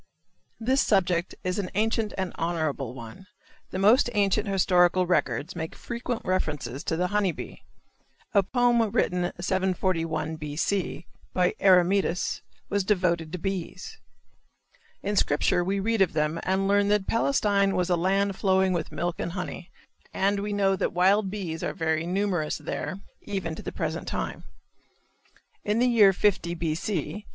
This subject is an ancient and honorable one. The most ancient historical records make frequent reference to the honey bee. A poem written 741 B. C., by Eremetus was devoted to bees. In Scripture we read of them and learn that Palestine was "a land flowing with milk and honey" and we know that wild bees are very numerous there even to the present time. In the year 50 B. C.